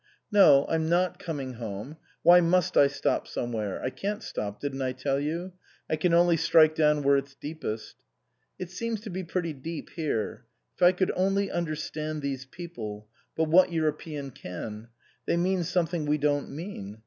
" No, I'm not ' coming home/ Why must I * stop some where '? I can't stop, didn't I tell you ? I can only strike down where it's deepest. " It seems to be pretty deep here. If I could only understand these people but what Euro pean can ? They mean something we don't mean.